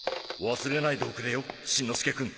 忘れないでおくれよしんのすけくん！